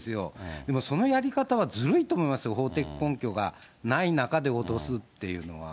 でもそのやり方はずるいと思うんですよ、法的根拠がない中で脅すっていうのは。